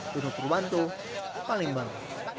dunuh purwanto palembang